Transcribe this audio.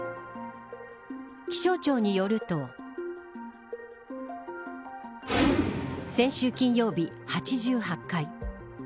気象庁によると先週金曜日、８８回。